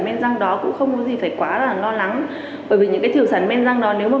men răng đó cũng không có gì phải quá là lo lắng bởi vì những cái thủy sản men răng đó nếu mà